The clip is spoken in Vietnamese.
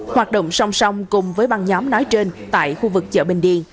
hoạt động song song cùng với băng nhóm nói trên tại khu vực chợ bình điền